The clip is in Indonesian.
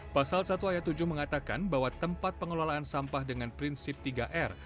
pasal satu ayat tujuh mengatakan bahwa tempat pengelolaan sampah dengan prinsip tiga r